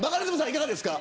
いかがですか。